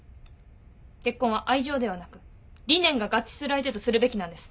結婚は愛情ではなく理念が合致する相手とするべきなんです。